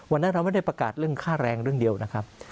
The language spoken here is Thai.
วันนั้นเราไม่ได้ประกาศเรื่องค่าแรงเรื่องเดียวนะครับ